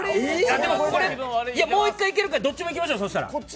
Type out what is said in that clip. もう１回いけるからどっちもいきましょ。